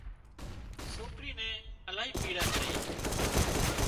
سوڪري نين الاهي پيڙا ڇئي